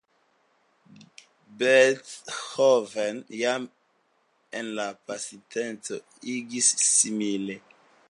Beethoven jam en la pasinteco agis simile.